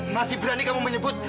masih berani kamu menyebut